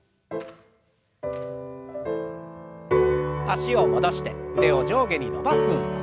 脚を戻して腕を上下に伸ばす運動。